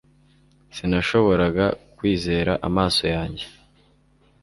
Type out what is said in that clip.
Sinashoboraga kwizera amaso yanjye